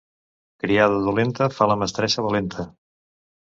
Criada dolenta fa la mestressa valenta.